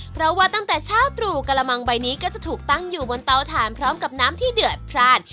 เพราะว่าตั้งแต่เช้าตรู่กระมังใบนี้ก็จะถูกตั้งอยู่บนเตาถ่านพร้อมกับน้ำที่เดือดพราน